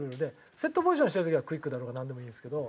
セットポジションしてる時はクイックだろうがなんでもいいんですけど。